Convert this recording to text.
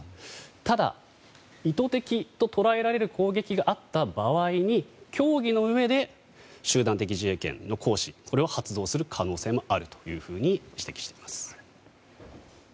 ただ、意図的と捉えられる攻撃があった場合に、協議のうえで集団的自衛権の行使を発動する可能性もあると指摘しています。